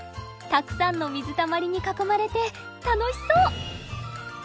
たくさんの水たまりに囲まれて楽しそう！